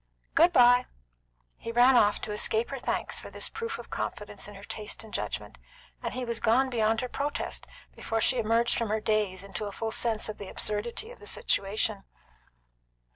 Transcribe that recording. Good bye!" He ran off to escape her thanks for this proof of confidence in her taste and judgment, and he was gone beyond her protest before she emerged from her daze into a full sense of the absurdity of the situation.